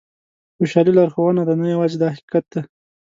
خوشالي لارښوونه ده نه یو ځای دا حقیقت دی.